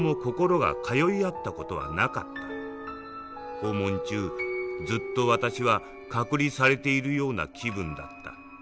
訪問中ずっと私は隔離されているような気分だった。